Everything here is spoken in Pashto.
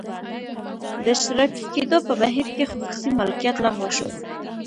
د اشتراکي کېدو په بهیر کې خصوصي مالکیت لغوه شو